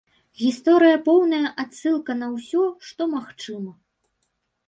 Гісторыя поўная адсылак на ўсё, што магчыма.